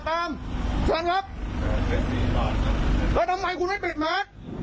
ที่ตังรวจมาโอเคนะบิงบนรถอีกต่างหาก